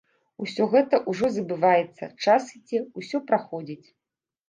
Усё гэта ўжо забываецца, час ідзе, усё праходзіць.